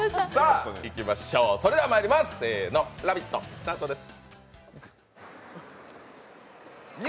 それではまいります、「ラヴィット！」スタートです。